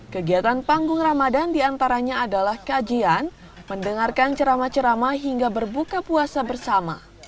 kegiatan panggung ramadan diantaranya adalah kajian mendengarkan ceramah ceramah hingga berbuka puasa bersama